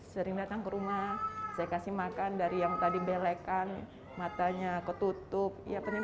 sering datang ke rumah saya kasih makan dari yang tadi belekan matanya ketutup ya penting